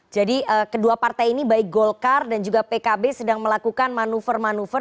kedua partai ini baik golkar dan juga pkb sedang melakukan manuver manuver